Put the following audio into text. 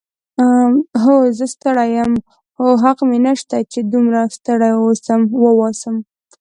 هو، زه ستړی یم، خو حق مې نشته چې دومره ستړی واوسم.